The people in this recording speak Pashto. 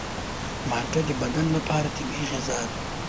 مالټه د بدن لپاره طبیعي غذا ده.